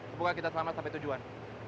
semoga kita selamat sampai tujuan